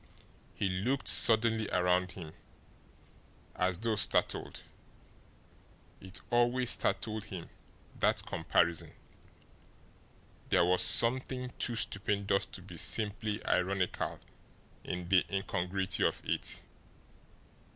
He looked suddenly around him, as though startled. It always startled him, that comparison. There was something too stupendous to be simply ironical in the incongruity of it.